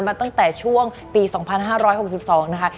มาตั้งแต่ช่วงปี๒๕๖๒นะคะ